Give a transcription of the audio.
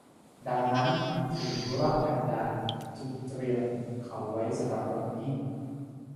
ดังนั้นถิ่นทุรกันดารจึงเตรียมเขาไว้สำหรับวันนี้